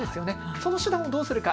その手段をどうするか。